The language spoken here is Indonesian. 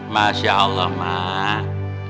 masya allah mak